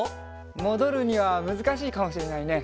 もどるにはむずかしいかもしれないね。